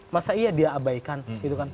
masa iya dia abaikan gitu kan